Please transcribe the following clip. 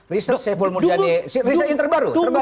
riset syekh fulmurjani riset yang terbaru